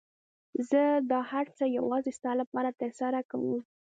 زه دا هر څه يوازې ستا لپاره ترسره کوم.